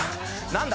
何だ？